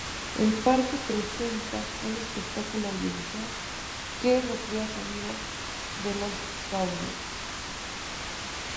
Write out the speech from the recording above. El Parque presenta un espectáculo audiovisual que recrea sonidos de los saurios.